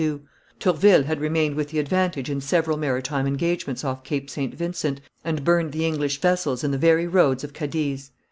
Tourville had remained with the advantage in several maritime engagements off Cape St. Vincent, and burned the English vessels in the very roads of Cadiz.